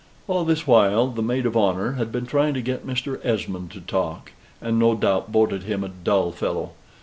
All this while the Maid of Honor had been trying to get Mr. Esmond to talk, and no doubt voted him a dull fellow.